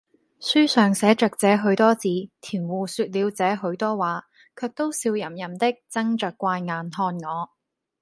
書上寫着這許多字，佃戶說了這許多話，卻都笑吟吟的睜着怪眼看我。